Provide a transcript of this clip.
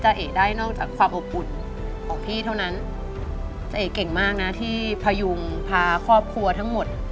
เอ๋ได้นอกจากความอบอุ่นของพี่เท่านั้นจะเอกเก่งมากนะที่พยุงพาครอบครัวทั้งหมด